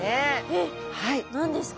えっ何ですか？